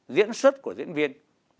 diễn xuất của diễn viên